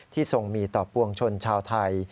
ทรงมีต่อปวงชนชาวไทย